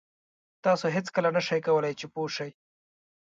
تاسو هېڅکله نه شئ کولای چې پوه شئ.